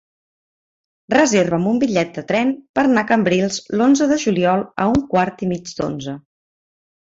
Reserva'm un bitllet de tren per anar a Cambrils l'onze de juliol a un quart i mig d'onze.